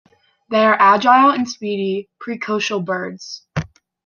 They are agile and speedy precocial birds.